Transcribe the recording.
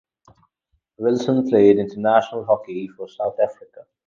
Wilson played international hockey for South Africa.